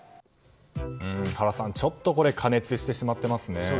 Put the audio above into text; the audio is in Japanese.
原さん、ちょっと過熱してしまっていますね。